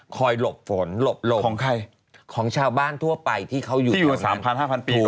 คอยหลบฝนหลบของชาวบ้านทั่วไปที่เขาอยู่อยู่๓๐๐๐๕๐๐๐ปีตอน